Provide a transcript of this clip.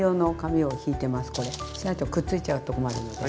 しないとくっついちゃうと困るので。